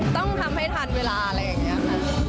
ต้องทำให้ทันเวลาอะไรอย่างนี้ค่ะ